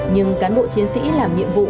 nhưng cán bộ chiến sĩ làm nhiệm vụ